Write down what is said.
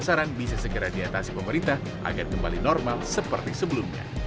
dan kemampuan pemerintahan bisa segera diatasi pemerintah agar kembali normal seperti sebelumnya